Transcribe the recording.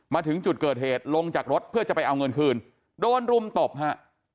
มาถึงจุดเกิดเหตุลงจากรถเพื่อจะไปเอาเงินคืนโดนรุมตบฮะ